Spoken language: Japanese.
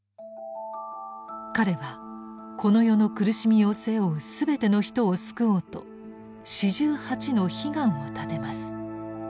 彼はこの世の苦しみを背負う全ての人を救おうと４８の悲願を立てます。